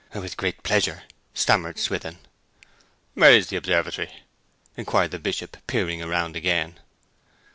'With great pleasure,' stammered Swithin. 'Where is the observatory?' inquired the Bishop, peering round again.